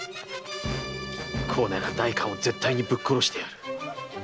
こうなりゃ代官を絶対にぶっ殺してやる。